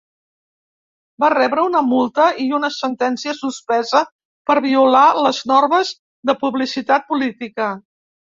Va rebre una multa i una sentència suspesa per violar les normes de publicitat política.